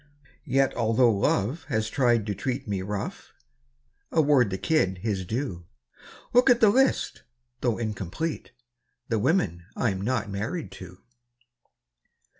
Yet although Love has tried to treat Me rough, award the kid his due. Look at the list, though incomplete: The women I'm not married to.